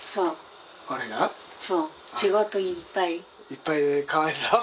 いっぱいでかわいそう？